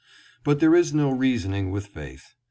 But there is no reasoning with faith.